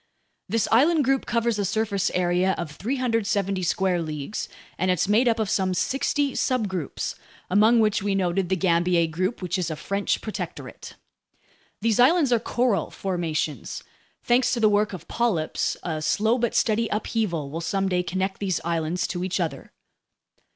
This island group covers a surface area of 370 square leagues, and it's made up of some sixty subgroups, among which we noted the Gambier group, which is a French protectorate. These islands are coral formations. Thanks to the work of polyps, a slow but steady upheaval will someday connect these islands to each other.